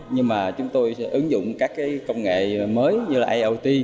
nhưng mà chúng tôi sẽ ứng dụng các công nghệ mới như là iot